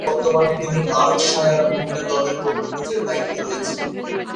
বর্তমানে তিনি বার্কশায়ার মহিলা দলের প্রধান কোচের দায়িত্বে রয়েছেন।